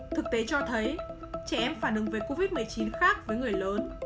thực tế cho thấy trẻ em phản ứng với covid một mươi chín khác với người lớn